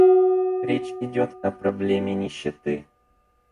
Речь идет о проблеме нищеты.